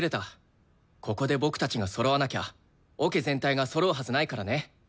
ここで僕たちがそろわなきゃオケ全体がそろうはずないからね。